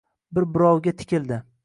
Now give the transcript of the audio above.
Bir-birovga tikildi